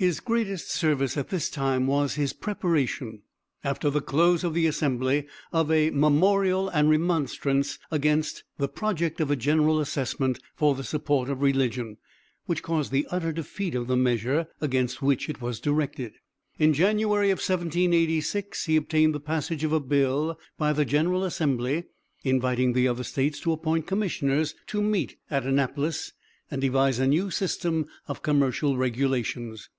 His greatest service at this time was his preparation, after the close of the assembly, of a "Memorial and Remonstrance" against the project of a general assessment for the support of religion, which caused the utter defeat of the measure, against which it was directed. In January, 1786, he obtained the passage of a bill by the General Assembly inviting the other States to appoint commissioners to meet at Annapolis and devise a new system of commercial regulations.